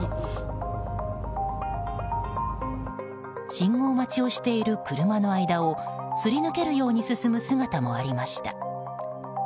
信号待ちをしている車の間をすり抜けるように進む姿もありました。